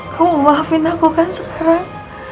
ku maafin aku kan sekarang